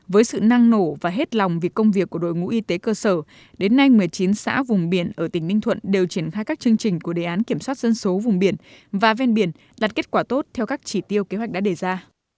với sự năng nổ và hết lòng vì công việc của đội ngũ y tế cơ sở đến nay một mươi chín xã vùng biển ở tỉnh ninh thuận đều triển khai các chương trình của đề án kiểm soát dân số vùng biển và ven biển đạt kết quả tốt theo các chỉ tiêu kế hoạch đã đề ra